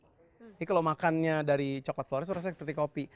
ini kalau makannya dari coklat flores rasanya seperti kopi